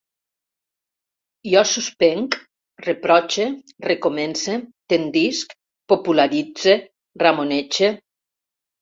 Jo suspenc, reprotxe, recomence, tendisc, popularitze, ramonege